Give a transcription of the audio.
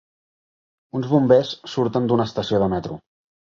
Uns bombers surten d'una estació de metro.